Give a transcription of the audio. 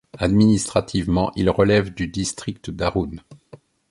Administrativement, il relève du district d'Arun.